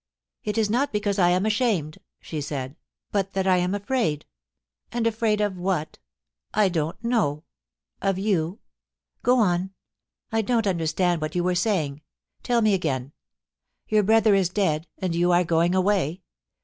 ' It is not because I am ashamed' she said, ' but that I am 346 POUCY AND PASSION. afraid — and afraid of what ? I don't know — of jrou. Go on. I don't understand what you were sa3ring. Tell me again. Your brother is dead, and you are going away.